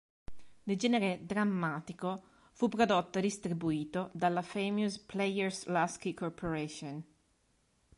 Di genere drammatico, fu prodotto e distribuito dalla Famous Players-Lasky Corporation.